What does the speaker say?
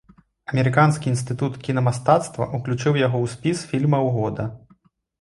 Амерыканскі інстытут кінамастацтва ўключыў яго ў спіс фільмаў года.